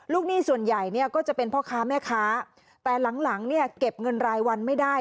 หนี้ส่วนใหญ่เนี่ยก็จะเป็นพ่อค้าแม่ค้าแต่หลังหลังเนี่ยเก็บเงินรายวันไม่ได้